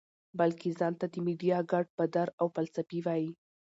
بلکه ځان ته د ميډيا ګاډ فادر او فلسفي وائي -